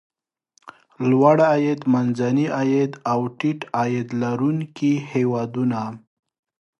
لوړ عاید، منځني عاید او ټیټ عاید لرونکي هېوادونه.